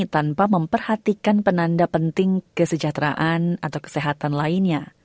tanpa memperhatikan penanda penting kesejahteraan atau kesehatan lainnya